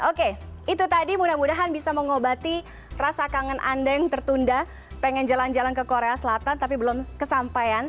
oke itu tadi mudah mudahan bisa mengobati rasa kangen anda yang tertunda pengen jalan jalan ke korea selatan tapi belum kesampaian